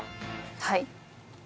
はい。